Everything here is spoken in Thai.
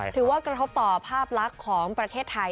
ถือว่ากระทบต่อภาพลักษณ์ของประเทศไทย